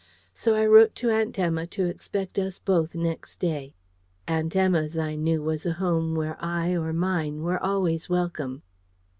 So I wrote to Aunt Emma to expect us both next day. Aunt Emma's, I knew, was a home where I or mine were always welcome.